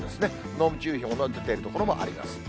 濃霧注意報の出ている所もあります。